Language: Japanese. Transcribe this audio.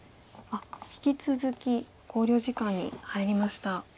引き続き考慮時間に入りました。